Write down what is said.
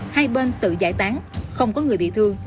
hai bên tự giải tán không có người bị thương